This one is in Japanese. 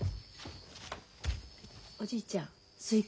おじいちゃんスイカ。